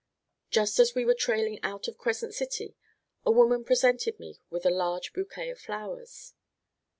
Just as we were trailing out of Crescent City, a woman presented me with a large bouquet of flowers.